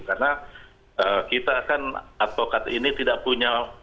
karena kita kan advokat ini tidak punya